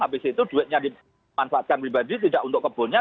habis itu duitnya dimanfaatkan pribadi tidak untuk kebunnya